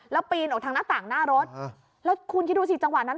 แล้วปีนออกทางหน้าต่างหน้ารถแล้วคุณคิดดูสิจังหวะนั้น